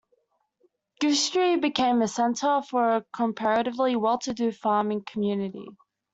Goostrey became a centre for a comparatively well-to-do farming community.